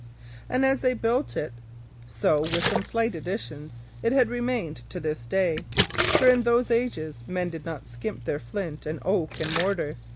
And as they built it, so, with some slight additions, it had remained to this day, for in those ages men did not skimp their flint, and oak, and mortar.